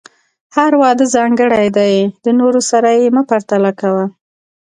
هر واده ځانګړی دی، د نورو سره یې مه پرتله کوه.